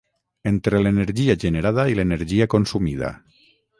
entre l'energia generada i l'energia consumida